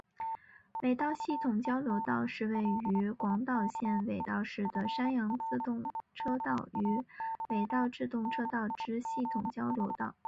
尾道系统交流道是位于广岛县尾道市的山阳自动车道与尾道自动车道之系统交流道。